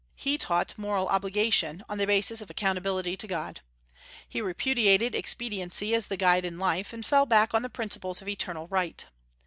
He taught moral obligation, on the basis of accountability to God. He repudiated expediency as the guide in life, and fell back on the principles of eternal right.